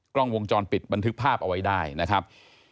กล้องวงจรปิดบันทึกภาพเอาไว้ได้นะครับ